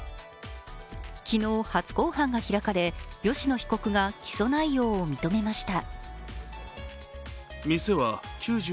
昨日、初公判が開かれ吉野被告が起訴内容を認めました。